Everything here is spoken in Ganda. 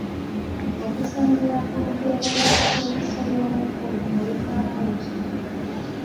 Okusinziira ku lugero lwa "Eriiso ly'omukulu" oyigamu ki.